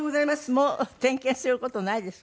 もう点検する事ないですか？